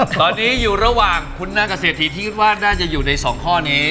ตอนนี้อยู่ระหว่างชินฐานพิมพ์คุณนางและเศรษฐีที่คิดว่าในส่วนข้อนี้